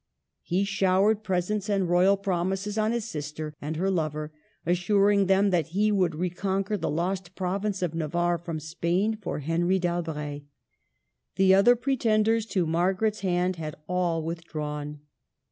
He showered presents and royal promises on his sister and her lover, assuring them that he would recon quer the lost province of Navarre from Spain for Henry d'Albret. The other pretenders to Margaret's hand had all withdrawn.